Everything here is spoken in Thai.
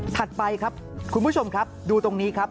ไปครับคุณผู้ชมครับดูตรงนี้ครับ